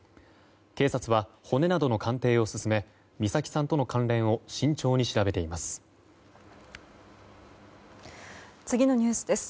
警察は、骨などの鑑定を進め美咲さんとの関連を慎重に調べています。